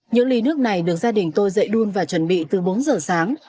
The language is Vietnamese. những ly nước này được gia đình tôi dậy đun và chuẩn bị từ bốn giờ sáng